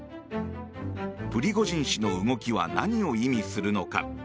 プリゴジン氏の動きは何を意味するのか。